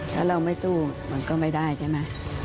ถ้าเราไม่สู้มันก็ไม่ได้ใช่ไหม